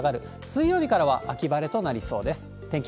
水曜日からは秋晴れとなりそうです。